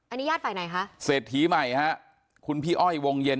อันนี้ญาติฝ่ายไหนคะเศรษฐีใหม่ฮะคุณพี่อ้อยวงเย็น